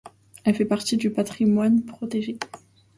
Elle fait partie du patrimoine protégé.